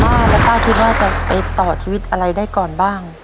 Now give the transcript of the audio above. ป้าแล้วป้าคิดว่าจะไปต่อชีวิตอะไรได้ก่อนบ้าง